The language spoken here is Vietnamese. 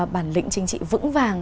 bản lĩnh chính trị vững vàng